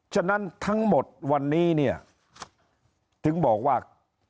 ฉะนั้นทั้งหมดวันนี้เนี่ยถึงบอกว่า